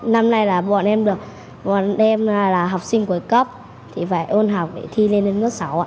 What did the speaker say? năm nay là bọn em được bọn em là học sinh của cấp thì phải ôn học để thi lên đến lớp sáu ạ